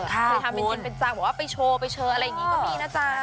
ทำจริงจังบอกว่าไปโชว์ไปเชิงอะไรอย่างนี้ก็มีนะจ๊ะ